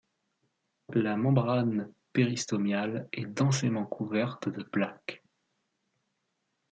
La membrane péristomiale est densément couverte de plaques.